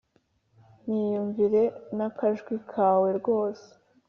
niyumvire n’akajwi kawe rwose